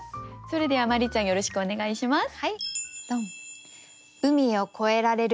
それでは真里ちゃんよろしくお願いします。